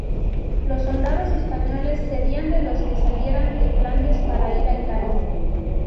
Los soldados españoles serían de los que salieran de Flandes para ir a Italia.